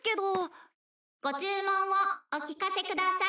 「ご注文をお聞かせください」